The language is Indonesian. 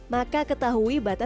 maka ketahui batasan